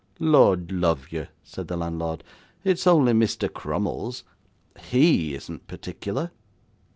'Lord love you,' said the landlord, 'it's only Mr. Crummles; HE isn't particular.